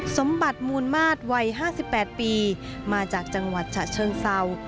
สมบัติมูลมาตรวัย๕๘ปีมาจากจังหวัดฉะเชิงเศร้า